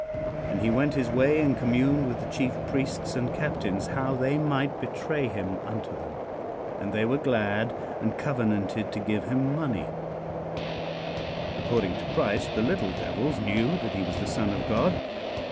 "And he went his way and communed with the chief priests and captains how he might betray him unto them. "And they were glad, and covenanted to give him money." According to Christ the little devils knew that he was the Son of God.